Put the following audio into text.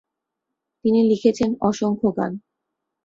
তিনি লিখেছেন অসংখ গান।